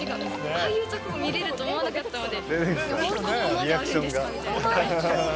ああいうところまで見れると思わなかったので。